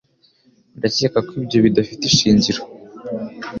Ndakeka ko ibyo bidafite ishingiro